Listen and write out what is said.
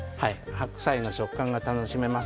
白菜の食感が楽しめます。